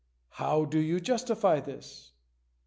How do you justify this ?